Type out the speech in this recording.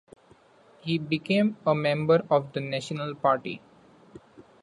He became a member of the National Party.